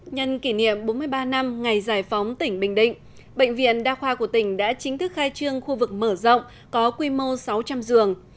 nhân kỷ niệm bốn mươi ba năm ngày giải phóng tỉnh bình định bệnh viện đa khoa của tỉnh đã chính thức khai trương khu vực mở rộng có quy mô sáu trăm linh giường